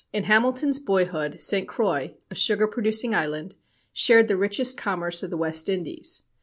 In Hamilton's boyhood, St. Croix, a sugar producing island, shared the richest commerce of the West Indies.